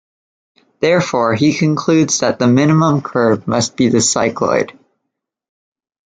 Therefore, he concludes that the minimum curve must be the cycloid.